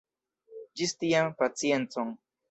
Ĝis tiam, paciencon.